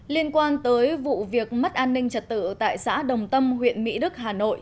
liên quan tới vụ việc mất an ninh trật tự tại xã đồng tâm huyện mỹ đức hà nội